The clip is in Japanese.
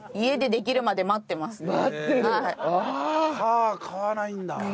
あ買わないんだ。